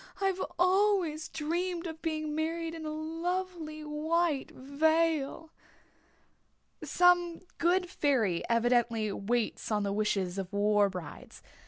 "I've always dreamed of being married in a lovely white veil." Some good fairy evidently waits on the wishes of war brides.